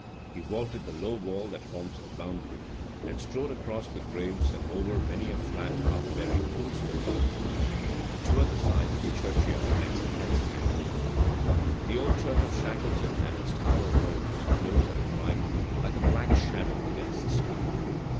He vaulted the low wall that forms its boundary, and strode across the graves, and over many a flat, half buried tombstone, toward the side of the churchyard next Catstean Moor. The old church of Shackleton and its tower rose, close at his right, like a black shadow against the sky.